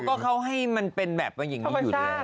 อะก็เขาให้มันเป็นแบบนี้อยู่เลย